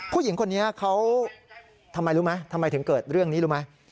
ผู้หญิงคนนี้เขาทำไมรู้ไหมทำไมถึงเกิดเรื่องนี้รู้ไหม